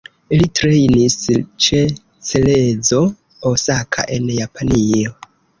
Li trejnis ĉe Cerezo Osaka en Japanio.